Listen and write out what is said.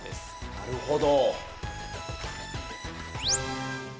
なるほど。